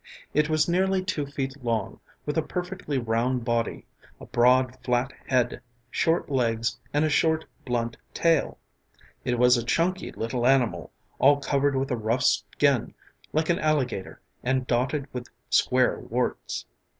It was nearly two feet long, with a perfectly round body, a broad, flat head, short legs and a short, blunt tail. It was a chunky little animal, all covered with a rough skin like an alligator and dotted with square warts.